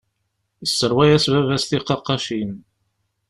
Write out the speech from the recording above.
Yesserwa-yas baba-s tiqaqqacin.